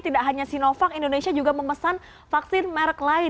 tidak hanya sinovac indonesia juga memesan vaksin merek lain